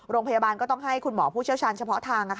โรงพยาบาลก็ต้องให้คุณหมอผู้เชี่ยวชาญเฉพาะทาง